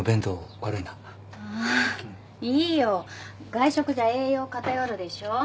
外食じゃ栄養偏るでしょ？